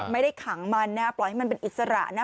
ไม่ได้ขังมันนะปล่อยให้มันเป็นอิสระนะ